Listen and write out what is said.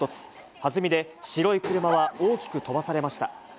弾みで、白い車は大きく飛ばされました。